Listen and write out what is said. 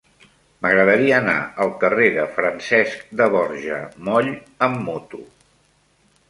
M'agradaria anar al carrer de Francesc de Borja Moll amb moto.